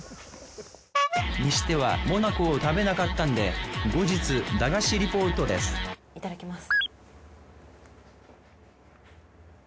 にしてはもなこを食べなかったんで後日駄菓子リポートですいただきます。